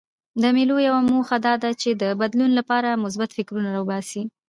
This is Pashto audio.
د مېلو یوه موخه دا ده، چي د بدلون له پاره مثبت فکرونه راباسي.